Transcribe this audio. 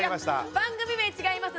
番組名違います。